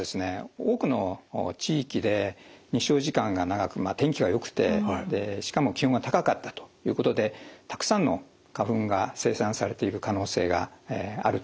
多くの地域で日照時間が長く天気がよくてしかも気温が高かったということでたくさんの花粉が生産されている可能性があると。